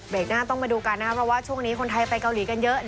หน้าต้องมาดูกันนะครับเพราะว่าช่วงนี้คนไทยไปเกาหลีกันเยอะ